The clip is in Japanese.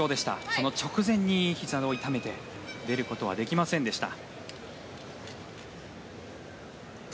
その直前に、ひざを痛めて出ることはできませんでした。